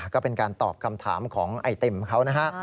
ก็เป็นการตอบคำถามของไอติมเขานะฮะ